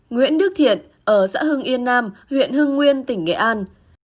nguyễn đức thiện ở xã hưng yên nam huyện hưng nguyên tỉnh nghệ an